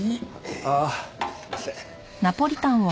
ああすいません。